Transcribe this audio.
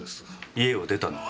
家を出たのは？